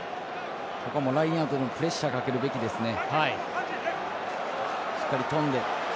ここもラインアウトのプレッシャーかけるべきですね。